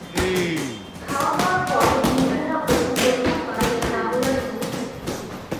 খাওয়া-দাওয়ার পর দুপুরবেলা অপু কোথাও বাহির না হইয়া ঘরে থাকে।